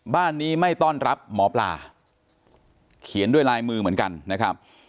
บ้านนี้ไม่ต้อนรับหมอปลาเขียนด้วยลายมือเหมือนกันนะครับ